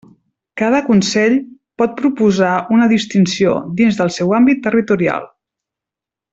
Cada Consell pot proposar una distinció, dins del seu àmbit territorial.